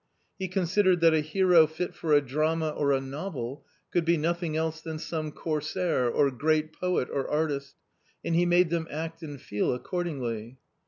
He considered that a hero fit for a drama or a novel could be nothing else than some corsair, or great ,poet or artist, and he made them act and feel accordingly.